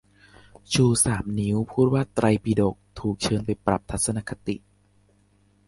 ชูสามนิ้ว พูดว่า "ไตรปิฎก" ถูกเชิญไปปรับทัศนคติ